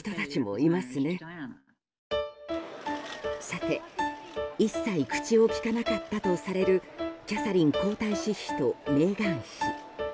さて、一切口を利かなかったとされるキャサリン皇太子妃とメーガン妃。